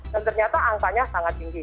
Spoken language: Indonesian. dan ternyata angkanya sangat tinggi